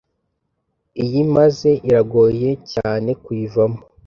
Iyi maze iragoye cyane kuyivamo.